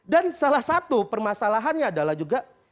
dan salah satu permasalahannya adalah juga